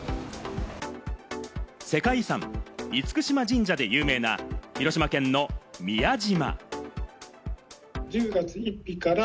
世界遺産・厳島神社で有名な広島県の宮島。